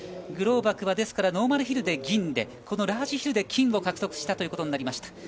グローバクはノーマルヒルで銀でこのラージヒルで金を獲得したということになりました。